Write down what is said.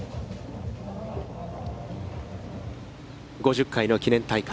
５０回の記念大会。